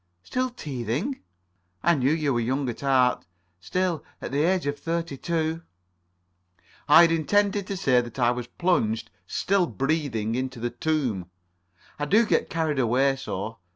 "Still teething? I knew you were young at heart. Still, at the age of thirty two——" "I had intended to say that I was plunged, still breathing, in the tomb. I do get carried away so.